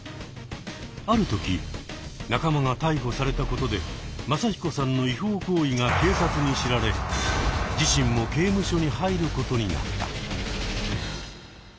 ある時仲間が逮捕されたことでマサヒコさんの違法行為が警察に知られ自身も刑務所に入ることになった。